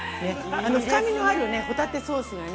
深みのあるホタテソースがね